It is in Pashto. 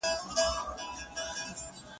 خو دی لکه ډبره ناست دی.